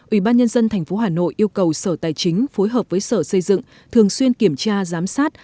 ubnd tp hà nội yêu cầu sở tài chính phối hợp với sở xây dựng thường xuyên kiểm tra giám sát